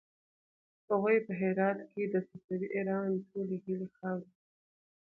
هغوی په هرات کې د صفوي ایران ټولې هيلې خاورې کړې.